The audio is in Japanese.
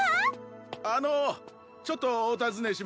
・あのうちょっとお尋ねしますが。